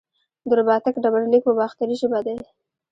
د رباتک ډبرلیک په باختري ژبه دی